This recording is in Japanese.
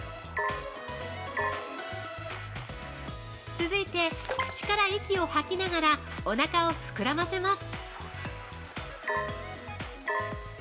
続いて、口から息を吐きながらおなかを膨らませます。